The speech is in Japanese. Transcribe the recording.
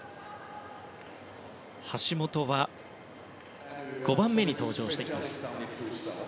橋本は５番目に登場します。